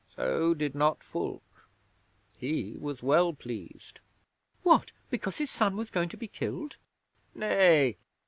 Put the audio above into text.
'So did not Fulke. He was well pleased.' 'What? Because his son was going to be killed?' 'Nay.